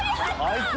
あいつ！